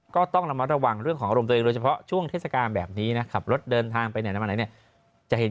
จะเข้าเรื่องหมอจูบกันมั้งเอาเมศ